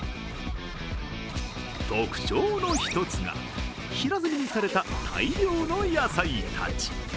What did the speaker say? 特徴の一つが、平積みにされた大量の野菜たち。